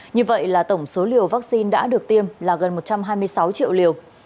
như vậy là tổng số liều vaccine đã được tiêm là gần một trăm hai mươi sáu triệu liều